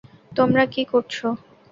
তোমার কী করছ?